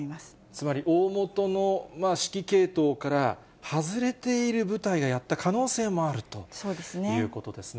つまり大もとの指揮系統から外れている部隊がやった可能性もあるということですね。